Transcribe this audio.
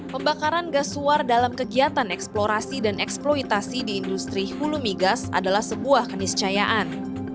pembakaran gas suar dalam kegiatan eksplorasi dan eksploitasi di industri hulu migas adalah sebuah keniscayaan